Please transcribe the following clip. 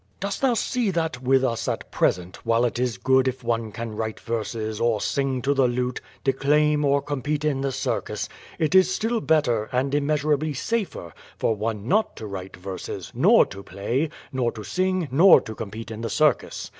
Dost thou see that, with us at present, while it is good if one can write verses, or sing to the lute, declaim, or compete in the circus, it is still better, and im measurably safer, for one not to write verses, nor to play, nor to sing, nor to compete in the circus.